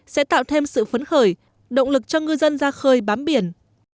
sẽ tạo thêm sự phấn khởi động lực cho ngư dân ra khơi bám biển